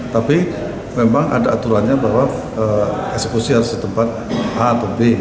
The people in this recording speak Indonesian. tapi memang ada aturannya bahwa eksekusi harus di tempat a atau b